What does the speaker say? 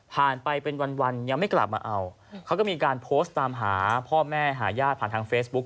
ไปเป็นวันวันยังไม่กลับมาเอาเขาก็มีการโพสต์ตามหาพ่อแม่หาญาติผ่านทางเฟซบุ๊ค